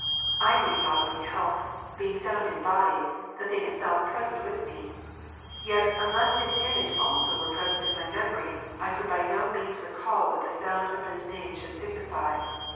I name bodily health; being sound in body, the thing itself is present with me ; yet, unless its image also were present in my memory, I could by no means recall what the sound of this name should signify.